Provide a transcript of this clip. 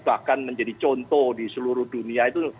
bahkan menjadi contoh di seluruh dunia itu